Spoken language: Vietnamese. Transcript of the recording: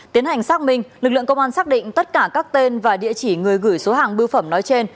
tiến hành xác minh lực lượng công an xác định tất cả các tên và địa chỉ người gửi số hàng bưu phẩm nói trên